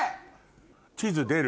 地図出る？